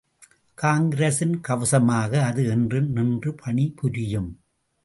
காங்கிரசின் கவசமாக அது என்றும் நின்று பணி புரியும்.